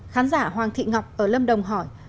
khán giả hoàng thị ngọc ở lâm đồng hỏi